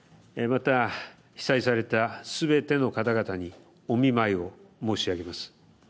また、被災されたすべての方々にお見舞いを申し上げます。